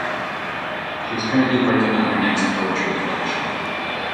She is currently working on her next poetry collection.